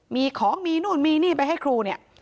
มีของมีนู่นมีนี่ไปให้ครูเนี่ย